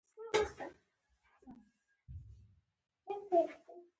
مړه ته د زړه له کومې دعا وکړه